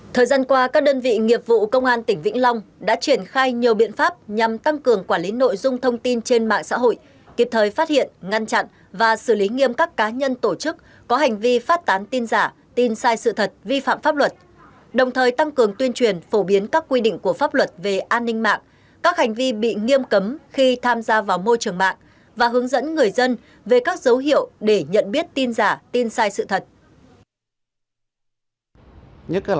thời gian qua các đơn vị nghiệp vụ công an tỉnh vĩnh long đã triển khai nhiều biện pháp nhằm tăng cường quản lý nội dung thông tin trên mạng xã hội kịp thời phát hiện ngăn chặn và xử lý nghiêm các cá nhân tổ chức có hành vi phát tán tin giả tin sai sự thật vi phạm pháp luật đồng thời tăng cường tuyên truyền phổ biến các quy định của pháp luật về an ninh mạng các hành vi bị nghiêm cấm khi tham gia vào môi trường mạng và hướng dẫn người dân về các dấu hiệu để nhận biết tin giả tin sai sự thật